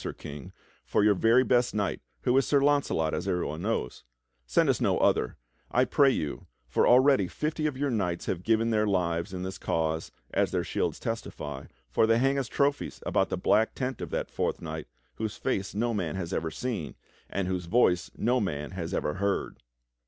Sir King, for your very best knight, who is Sir Launcelot as everyone knows. Send us no other, I pray you, for already fifty of your knights have given their lives in this cause, as their shields testify, for they hang as trophies about the black tent of that fourth knight whose face no man has ever seen and whose voice no man has ever heard."